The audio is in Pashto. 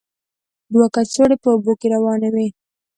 دوه کڅوړې په اوبو کې روانې وې.